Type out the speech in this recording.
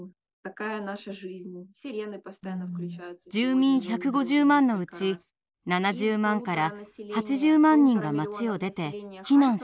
住民１５０万のうち７０万８０万人が町を出て避難しました。